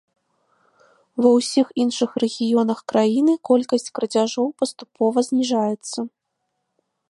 Ва ўсіх іншых рэгіёнах краіны колькасць крадзяжоў паступова зніжаецца.